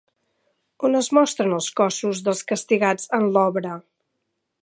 On es mostren els cossos dels castigats en l'obra?